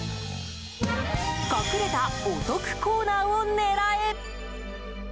隠れたお得コーナーを狙え。